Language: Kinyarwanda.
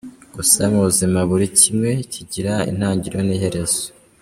Gusa mu buzima buri kimwe kigira itangiriro n’iherezo.